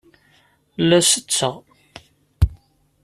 La setteɣ.